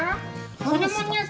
こどもニュース